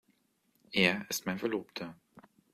Er ist mein Verlobter.